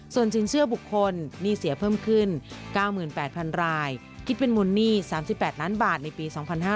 ส่วนสินเชื่อบุคคลหนี้เสียเพิ่มขึ้น๙๘๐๐๐รายคิดเป็นมูลหนี้๓๘ล้านบาทในปี๒๕๕๙